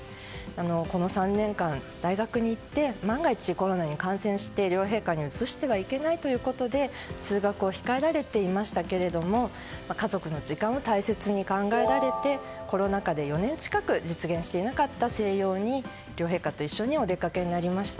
この３年間、大学に行って万が一コロナに感染して、両陛下にうつしてはいけないということで通学を控えられていましたが家族の時間を大切に考えられてコロナ禍で４年近く実現していなかった静養に両陛下と一緒にお出かけになりました。